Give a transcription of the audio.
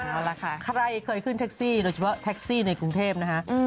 เอาล่ะค่ะใครเคยขึ้นแท็กซี่โดยเฉพาะแท็กซี่ในกรุงเทพนะคะ